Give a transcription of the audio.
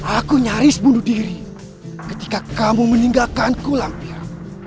aku nyaris bunuh diri ketika kamu meninggalkanku lampion